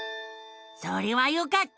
それはよかった！